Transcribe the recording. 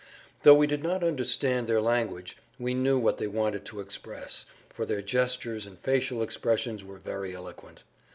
Though we did not understand their language we knew what they wanted to express, for their gestures and facial expressions were very eloquent.